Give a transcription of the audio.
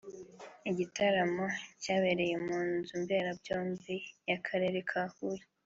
igitaramo cyabereye mu nzu mberabyombi y’akarere ka Huye